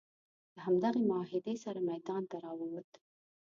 د همدغې معاهدې سره میدان ته راووت.